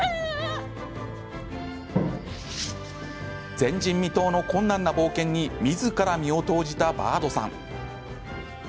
前人未到の困難な冒険にみずから身を投じたバードさん。